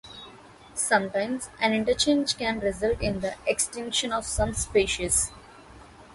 Sometimes an interchange can result in the extinction of some species.